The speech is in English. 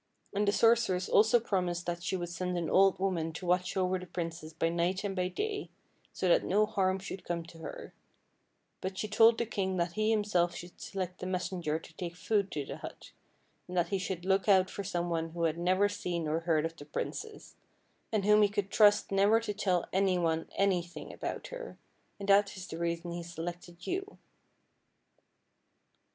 And the sorceress also prom ised that she would send an old woman to watch over the princess by night and by day, so that no harm should come to her; but she told the king that he himself should select a messenger to take food to the hut, and that he should look out for someone who had never seen or heard of the PRINCESS AND DWARF 157 princess, and whom he could trust never to tell anyone anything about her; and that is the rea son he selected you."